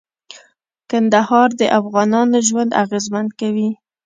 کندهار د افغانانو ژوند اغېزمن کوي.